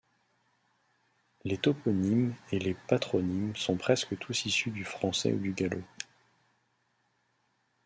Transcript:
Les toponymes et les patronymes sont presque tous issus du français ou du gallo.